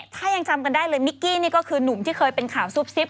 ถ้ายังจำกันได้เลยมิกกี้นี่ก็คือหนุ่มที่เคยเป็นข่าวซุบซิบ